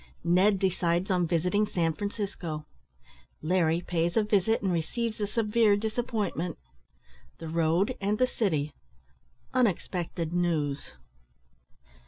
NED DECIDES ON VISITING SAN FRANCISCO LARRY PAYS A VISIT, AND RECEIVES A SEVERE DISAPPOINTMENT THE ROAD AND THE CITY UNEXPECTED NEWS.